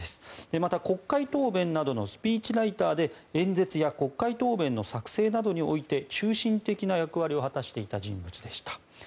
また、国会答弁などのスピーチライターで演説や国会答弁の作成などにおいて中心的な役割を果たしていた人物でした。